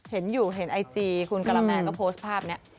เห็นอยู่เห็นไอจีคุณกะละแม่ก็โพสต์ภาพนี้